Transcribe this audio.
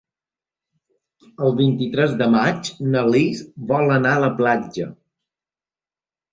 El vint-i-tres de maig na Lis vol anar a la platja.